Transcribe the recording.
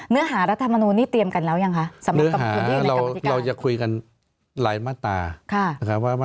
เนื้อหารัฐมนุนนี่เตรียมกันแล้วยังคะ